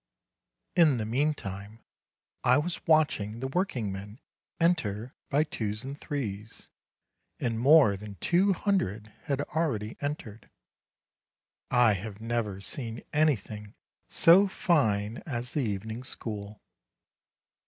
In the meantime I was watching the workingmen enter by twos and threes ; and more than two hundred had already entered. I have never seen anything so fine as the evening school.